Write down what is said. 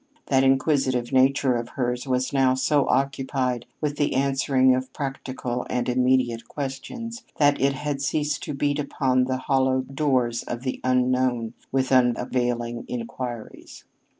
That inquisitive nature of hers was now so occupied with the answering of practical and immediate questions that it had ceased to beat upon the hollow doors of the Unknown with unavailing inquiries.